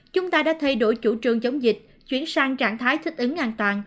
chúng ta đã thay đổi chủ trương chống dịch chuyển sang trạng thái thích ứng an toàn